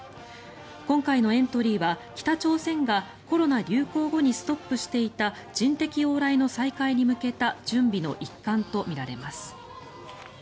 今回のエントリーは北朝鮮がコロナ流行後にストップしていた人的往来の再開に向けた準備の一環とみられます。